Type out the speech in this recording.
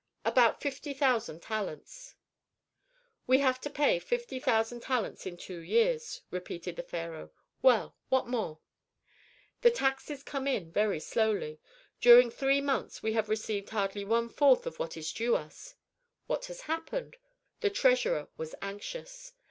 "About fifty thousand talents." "We have to pay fifty thousand talents in two years," repeated the pharaoh. "Well, what more?" "The taxes come in very slowly. During three months we have received barely one fourth of what is due us." "What has happened?" The treasurer was anxious.